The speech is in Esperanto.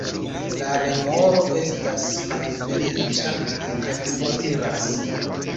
La remoro estas malfeliĉa kaj foriras.